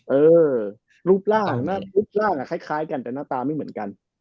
เออรูปร่างรูปร่างคล้ายกันแต่หน้าตาไม่เหมือนกัน